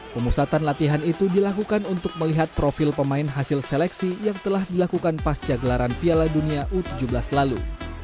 pemusatan latihan itu dilakukan untuk melihat profil pemain hasil seleksi yang telah dilakukan pasca gelaran piala dunia u tujuh belas lalu